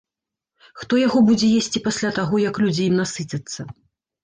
Хто яго будзе есці пасля таго, як людзі ім насыцяцца?